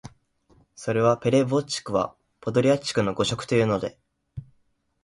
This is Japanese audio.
それは「ペレヴォッチクはポドリャッチクの誤植」というので、